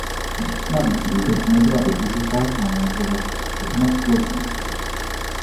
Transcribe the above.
Navíc vůbec nebyla využita manévrovací schopnost lodí.